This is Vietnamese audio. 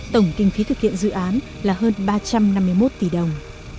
tổng kinh phí thực hiện dự án là hơn ba trăm năm mươi một tỷ đồng